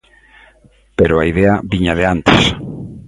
Pero a idea viña de antes.